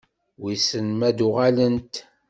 Wissen ma ad-uɣalent?